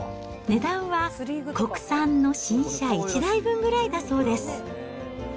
値段は国産の新車１台分ぐらいだそうです。